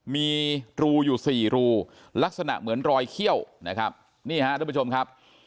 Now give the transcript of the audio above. มีรูอยู่๔รูลักษณะเหมือนรอยเขี้ยวนะครับ